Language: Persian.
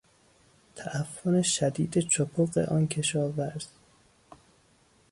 تعفن شدید چپق آن کشاورز